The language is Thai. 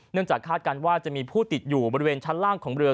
จากคาดการณ์ว่าจะมีผู้ติดอยู่บริเวณชั้นล่างของเรือ